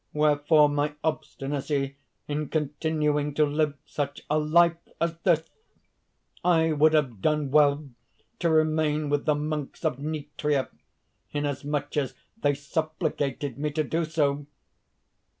Wherefore my obstinacy in continuing to live such a life as this? I would have done well to remain with the monks of Nitria, inasmuch as they supplicated me to do so.